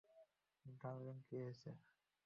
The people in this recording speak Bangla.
ডার্লিং, কি হয়েছে?